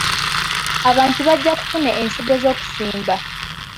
Abantu bajja kufuna ensigo ez'okusimba.